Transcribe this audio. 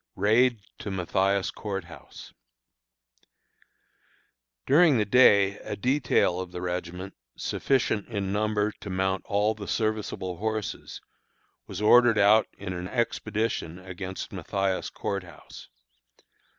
RAID TO MATHIAS COURT HOUSE. During the day a detail of the regiment, sufficient in number to mount all the serviceable horses, was ordered out in an expedition against Mathias Court House.